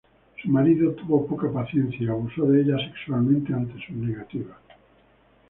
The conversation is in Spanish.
Su marido tuvo poca paciencia y abusó de ella sexualmente ante sus negativas.